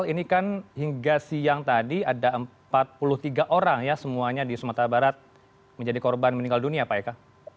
ini kan hingga siang tadi ada empat puluh tiga orang ya semuanya di sumatera barat menjadi korban meninggal dunia pak eka